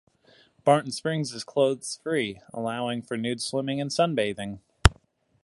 Barton Springs is clothes free, allowing for nude swimming and sunbathing.